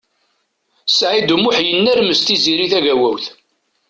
Saɛid U Muḥ yennermes Tiziri Tagawawt.